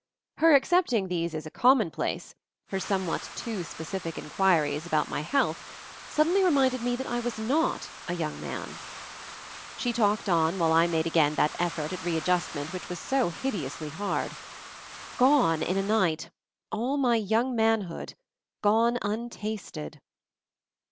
Her accepting these as a commonplace, her somewhat too specific inquiries about my health, suddenly reminded me that I was not a young man » MOVING THE MOUNTAIN 35 She talked on while I made again that effort at readjustment which was so hide ously hard. Gone in a night — all my young manhood — gone untasted